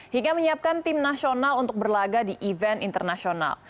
hingga menyiapkan tim nasional untuk berlaga di event internasional